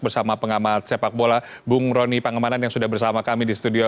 bersama pengamat sepak bola bung roni pangemanan yang sudah bersama kami di studio